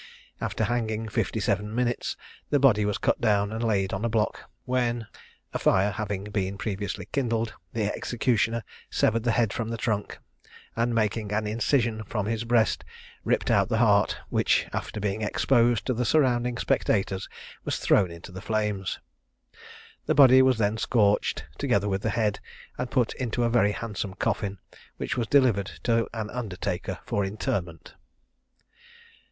After hanging fifty seven minutes the body was cut down and laid on a block, when (a fire having been previously kindled) the executioner severed the head from the trunk, and making an incision from his breast, ripped out the heart, which, after being exposed to the surrounding spectators, was thrown into the flames. The body was then scorched, together with the head, and put into a very handsome coffin, which was delivered to an undertaker for interment.